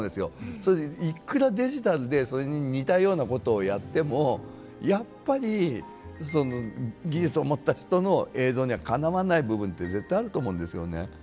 それいっくらデジタルでそれに似たようなことをやってもやっぱりその技術を持った人の映像にはかなわない部分て絶対あると思うんですよね。